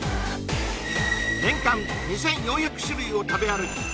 年間２４００種類を食べ歩き